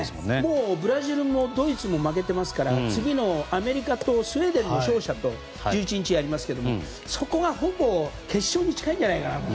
もうブラジルもドイツも負けていますから次のアメリカとスウェーデンの勝者と１１日やりますけどもそこはほぼ決勝に近いんじゃないかな。